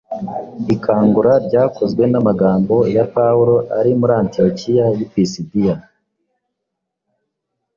Ikangura ryakozwe n’amagambo ya Pawulo ari muri Antiyokiya y’i Pisidiya